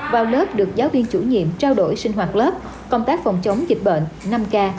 vào lớp được giáo viên chủ nhiệm trao đổi sinh hoạt lớp công tác phòng chống dịch bệnh năm k